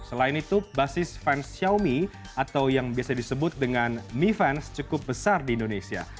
selain itu basis fans xiaomi atau yang biasa disebut dengan mi fans cukup besar di indonesia